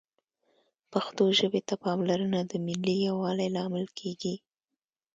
پښتو ژبې ته پاملرنه د ملي یووالي لامل کېږي